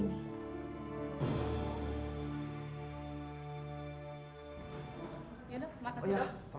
ya udah makasih dong